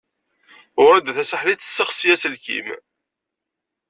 Wrida Tasaḥlit tessexsi aselkim.